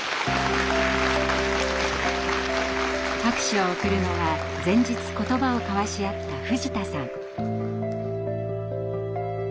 拍手を送るのは前日言葉を交わし合った藤田さん。